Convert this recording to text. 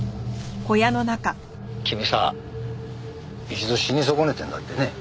君さ一度死に損ねたんだってね。